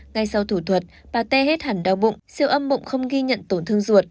ngay sau thủ thuật bà tê hết hẳn đau bụng siêu âm mộng không ghi nhận tổn thương ruột